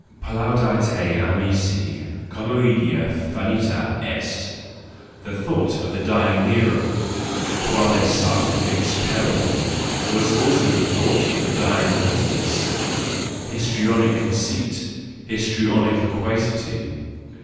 Plaudite amici , comoedia jinita est !— The thought of the dying Nero: qualis artifexpereo ! was also the thought of the dying Augustus: histrionic conceit! histrionic loquacity!